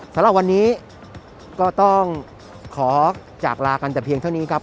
สำหรับวันนี้ก็ต้องขอจากลากันแต่เพียงเท่านี้ครับ